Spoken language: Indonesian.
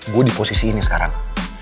gue di posisi ini sekarang